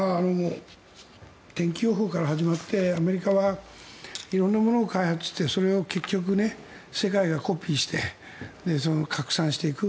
天気予報から始まってアメリカは色んなものを開発してそれを結局、世界がコピーして拡散していく。